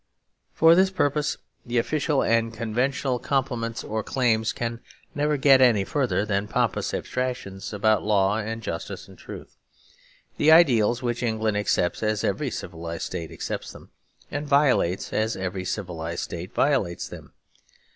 For this purpose the official and conventional compliments or claims can never get any farther than pompous abstractions about Law and Justice and Truth; the ideals which England accepts as every civilised state accepts them, and violates as every civilised state violates them.